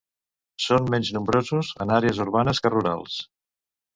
Són menys nombrosos en àrees urbanes que rurals.